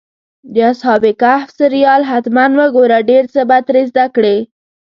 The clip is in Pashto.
د اصحاب کهف سریال حتماً وګوره، ډېر څه به ترې زده کړې.